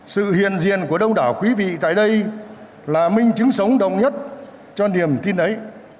sự hiền diện của đông đảo quý vị tại đây là minh chứng sống đồng nhất cho niềm tin ấy